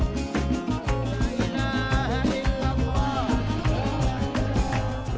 orang minangkabau kalau berpesta makan bersama